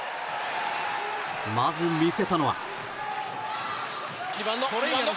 まず見せたのは。